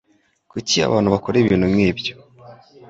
Kuki abantu bakora ibintu nkibyo?